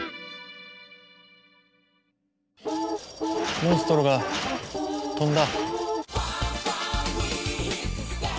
モンストロが飛んだ。